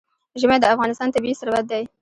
ژمی د افغانستان طبعي ثروت دی.